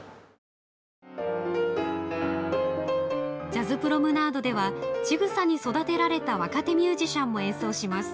ジャズプロムナードではちぐさに育てられた若手ミュージシャンも演奏します。